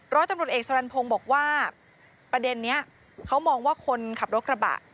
ร้อยตำรวจเอกสรรพงศ์บอกว่าประเด็นนี้เขามองว่าคนขับรถกระบะ